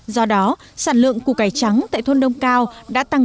do đó sản lượng củ cải trắng tại thôn đông cao và khoảng tám mươi hectare trồng củ cải trắng